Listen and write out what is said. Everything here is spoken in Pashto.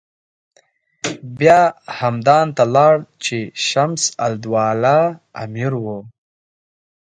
بیا همدان ته لاړ چې شمس الدوله امیر و.